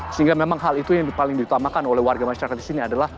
sehingga memang hal itu yang paling diutamakan oleh warga masyarakat di sini adalah